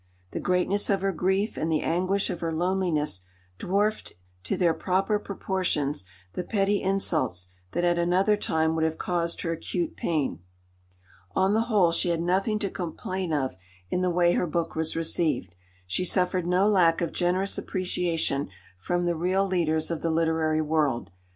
The greatness of her grief and the anguish of her loneliness dwarfed to their proper proportions the petty insults that at another time would have caused her acute pain. On the whole she had nothing to complain of in the way her book was received; she suffered no lack of generous appreciation from the real leaders of the literary world.